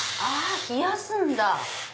冷やすんだ！